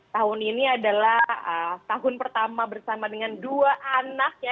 tahun ini adalah tahun pertama bersama dengan dua anak ya